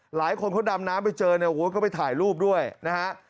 หลายคนเขาดำน้ำไปเจอเนี่ยโอ้โหก็ไปถ่ายรูปด้วยนะฮะ